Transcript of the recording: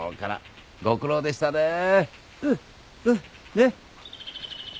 ねっ。